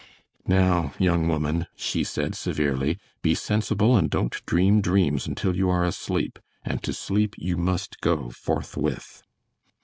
"Now, young woman," she said, severely, "be sensible and don't dream dreams until you are asleep, and to sleep you must go forthwith."